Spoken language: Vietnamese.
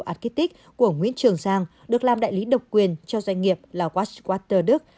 arkitic của nguyễn trường giang được làm đại lý độc quyền cho doanh nghiệp là watchwater đức